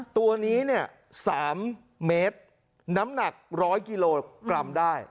ตัวนี้เนี่ย๓เมตรน้ำหนัก๑๐๐กิโลกรัมได้